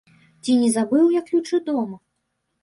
Ці не забыў я ключы дома?